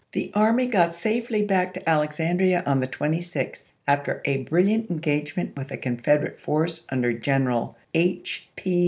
The army got safely back to Alexandria on the 26th, after a brilliant engagement with a Confederate force under Greneral H.